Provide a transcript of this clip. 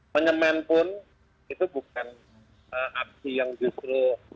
menyemen pun itu bukan aksi yang justru